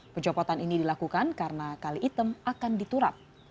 pencopotan ini dilakukan karena kali item akan diturap